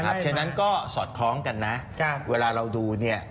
เพราะฉะนั้นก็สอดคล้องกันนะเวลาเราดูเนี่ย